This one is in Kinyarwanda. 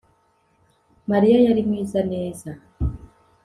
mariya yari mwiza. neza